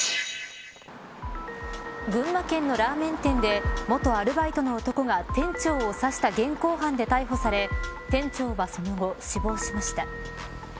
群馬県のラーメン店で元アルバイトの男が店長を刺した現行犯で逮捕され店長はその後、死亡しました。